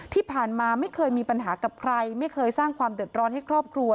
ที่ผ่านมาไม่เคยมีปัญหากับใครไม่เคยสร้างความเดือดร้อนให้ครอบครัว